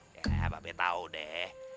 ya mbak be tahu deh